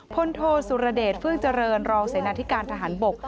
พลโทสุรเดชเฟื่องเจริญรองเสนาธิการทหารบก